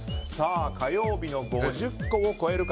火曜日の５０個を超えるか。